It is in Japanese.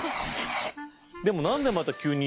でも何でまた急に。